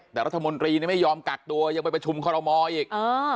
แต่รัฐมนตรีไม่ยอมกักตัวยังไปประชุมคอรมออีก